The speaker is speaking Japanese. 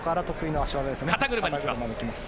肩車に行きます。